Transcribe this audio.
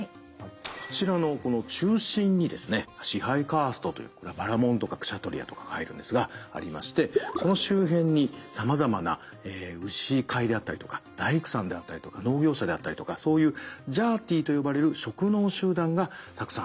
こちらのこの中心に支配カーストというバラモンとかクシャトリアとかが入るんですがありましてその周辺にさまざまな牛飼いであったりとか大工さんであったりとか農業者であったりとかそういうジャーティと呼ばれる職能集団がたくさんあります。